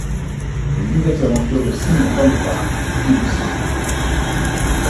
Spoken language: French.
Les nouvelles aventures de Simon Templar, dit le Saint.